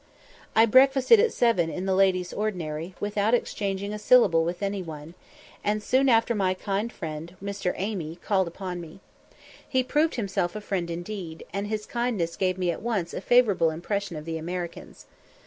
I breakfasted at seven in the ladies' ordinary, without exchanging a syllable with any one, and soon after my kind friend, Mr. Amy, called upon me. He proved himself a friend indeed, and his kindness gave me at once a favourable impression of the Americans.